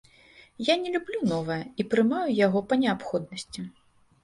Я не люблю новае і прымаю яго па неабходнасці.